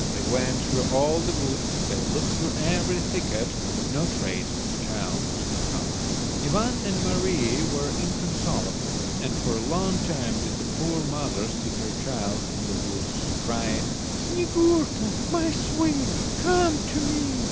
They went through all the woods, they looked through every thicket, but no trace of the child was discovered. Ivan and Mary were inconsolable, and for a long time did the poor mother seek her child in the woods, crying— "Snyegurka, my sweet, come to me."